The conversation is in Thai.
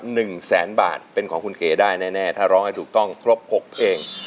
หนึ่งแสนบาทเป็นของคุณเก๋ได้แน่แน่ถ้าร้องให้ถูกต้องครบหกเพลง